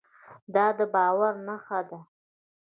دا د باور نښه ده.